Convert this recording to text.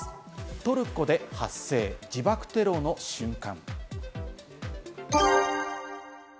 トルコで発生、自爆テロの瞬間。